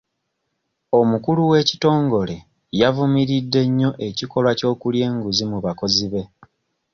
Omukulu w'ekitongole yavumiridde nnyo ekikolwa ky'okulya enguzi mu bakozi be.